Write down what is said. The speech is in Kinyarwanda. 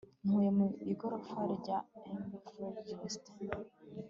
Ntuye mu igorofa rya mb fliegster